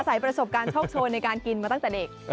ประสบการณ์โชคโชนในการกินมาตั้งแต่เด็ก